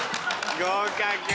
合格。